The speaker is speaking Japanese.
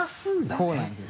こうなんですよ。